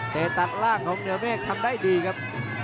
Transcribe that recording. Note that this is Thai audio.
แต่ตัดล่างของเหนือเมฆทำได้ดีครับ